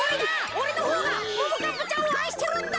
おれのほうがももかっぱちゃんをあいしてるんだ！